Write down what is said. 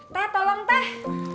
teh tolong teh